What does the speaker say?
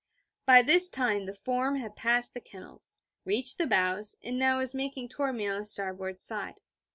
By this time, the form had passed the kennels, reached the bows, and now was making toward me on the starboard side.